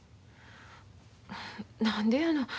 何でやの。